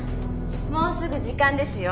もうすぐ時間ですよ。